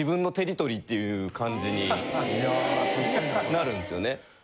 なるんですよね。